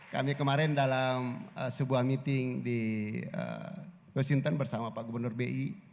kami kemarin dalam sebuah meeting di washington bersama pak gubernur bi